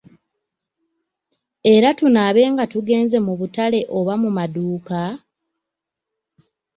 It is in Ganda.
Era tunaabe nga tugenze mu butale oba mu maduuka.